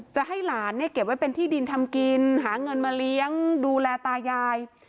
จะให้หลานเนี่ยเก็บไว้เป็นที่ดินทำกินหาเงินมาเลี้ยงดูแลตายาย